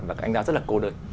và cái ánh đá rất là cô đơn